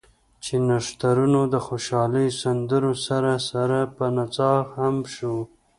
چې نښترونو د خوشالۍ سندرو سره سره پۀ نڅا هم شو ـ